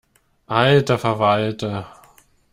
Alter Verwalter!